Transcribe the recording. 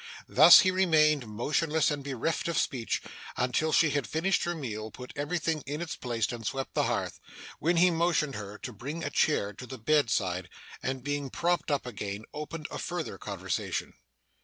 Thus he remained, motionless and bereft of speech, until she had finished her meal, put everything in its place, and swept the hearth; when he motioned her to bring a chair to the bedside, and, being propped up again, opened a farther conversation.